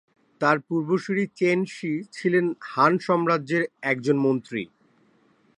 তার পূর্বসূরী Chen Shi ছিলেন হান সম্রাজ্যের একজন মন্ত্রী।